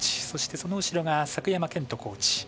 そして、その後ろが作山コーチ。